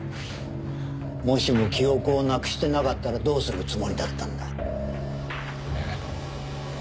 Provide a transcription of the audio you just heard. もしも記憶をなくしてなかったらどうするつもりだったんだ？え？